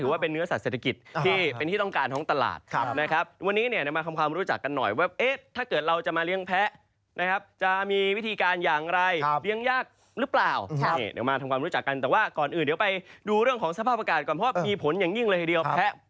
วันนั้นไก่หายไป๓ตัวบัวหายไป๕ตัว